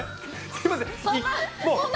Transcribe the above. すみません。